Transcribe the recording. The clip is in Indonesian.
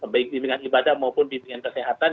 baik bimbingan ibadah maupun bimbingan kesehatan